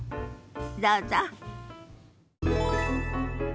どうぞ。